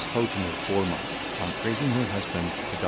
HOUGHTON OF BOURMONT, ON PRAISING HER HUSBAND TO DR.